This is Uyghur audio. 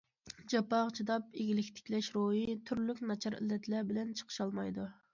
جاپاغا چىداپ ئىگىلىك تىكلەش روھى تۈرلۈك ناچار ئىللەتلەر بىلەن چىقىشالمايدۇ.